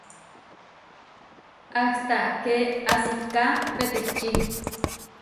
Áhta ké asiká peteči.